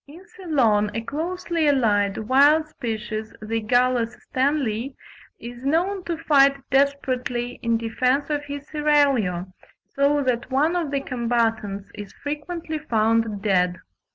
In Ceylon a closely allied, wild species, the Gallus Stanleyi, is known to fight desperately "in defence of his seraglio," so that one of the combatants is frequently found dead.